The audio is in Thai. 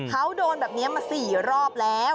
เขาโดนแบบนี้มา๔รอบแล้ว